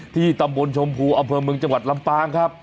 ตำบลชมพูอำเภอเมืองจังหวัดลำปางครับ